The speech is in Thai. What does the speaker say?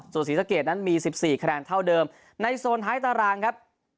ส่วนศรีสะเกดนั้นมี๑๔คะแนนเท่าเดิมในโซนท้ายตารางครับ